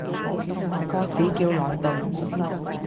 個市叫萊頓